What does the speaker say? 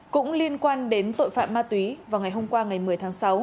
cũng liên quan đến tội phạm ma túy vào ngày hôm qua ngày một mươi tháng sáu